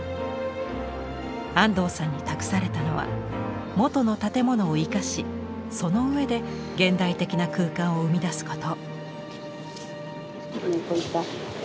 安藤さんに託されたのは元の建物を生かしその上で現代的な空間を生み出すこと。